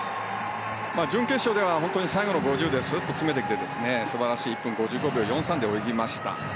準決勝では、最後の５０でスッと詰めてきて１分５５秒４３で泳ぎました。